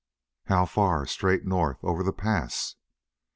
"How far straight north over the pass?"